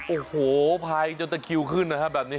โอ้โหภัยจนตะคิวขึ้นนะครับแบบนี้